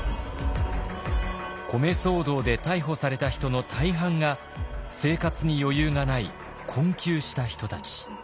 米騒動で逮捕された人の大半が生活に余裕がない困窮した人たち。